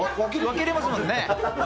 分けれますもんね。